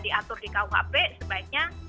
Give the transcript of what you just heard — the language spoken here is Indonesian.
diatur di kuhp sebaiknya